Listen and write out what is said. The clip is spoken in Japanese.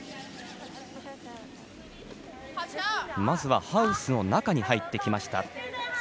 まずハウスの中に入ってきました。